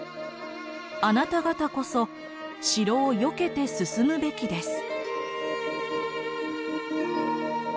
あなた方こそ城をよけて進むべきです」。